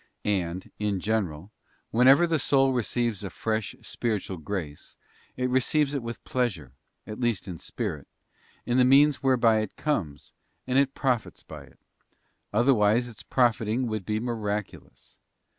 And, in general, whenever the soul receives a fresh spiritual grace it receives it with pleasure, at least in spirit, in the means whereby it comes, and it profits by it; otherwise its profiting would be miraculous.